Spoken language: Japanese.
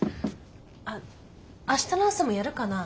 あ明日の朝もやるかな。